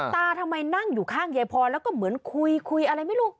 ทำไมนั่งอยู่ข้างยายพรแล้วก็เหมือนคุยคุยอะไรไม่รู้